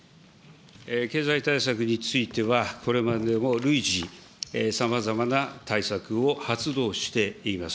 経済対策については、これまでも累次、さまざまな対策を発動しています。